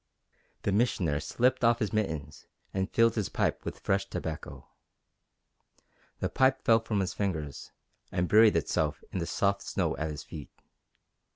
The Missioner slipped off his mittens and filled his pipe with fresh tobacco. The pipe fell from his fingers and buried itself in the soft snow at his feet.